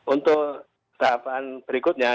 untuk tahapan berikutnya